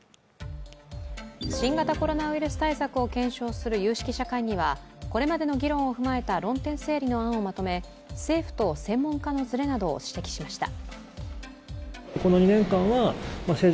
新型コロナウイルス対策を検討する有識者会議はこれまでの議論を踏まえた論点整理の案をまとめ、政府と専門家のずれなどを指摘しました。